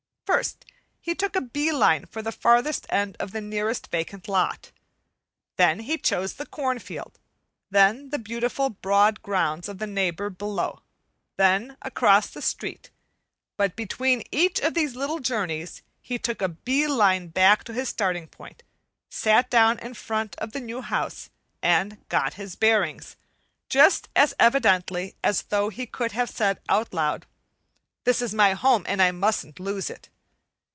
First, he took a bee line for the farthest end of the nearest vacant lot; then he chose the corn field; then the beautiful broad grounds of the neighbor below; then across the street; but between each of these little journeys he took a bee line back to his starting point, sat down in front of the new house, and "got his bearings," just as evidently as though he could have said out loud, "This is my home and I mustn't lose it."